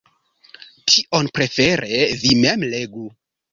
Tion prefere vi mem legu.